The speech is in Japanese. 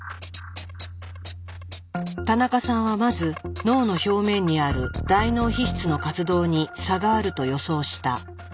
田中さんはまず脳の表面にある大脳皮質の活動に差があると予想した。